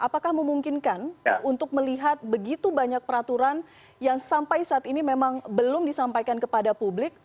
apakah memungkinkan untuk melihat begitu banyak peraturan yang sampai saat ini memang belum disampaikan kepada publik